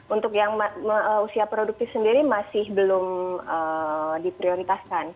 untuk yang usia produktif sendiri masih belum diprioritaskan